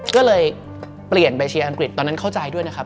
ก็เลยเปลี่ยนไปเชียร์อังกฤษตอนนั้นเข้าใจด้วยนะครับ